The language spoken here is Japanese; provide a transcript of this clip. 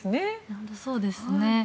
本当にそうですね。